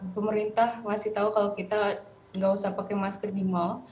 pemerintah masih tahu kalau kita nggak usah pakai masker di mal